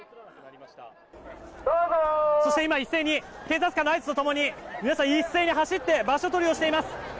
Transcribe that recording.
今、一斉に警察官の合図と共に皆さん、一斉に走って場所取りをしています。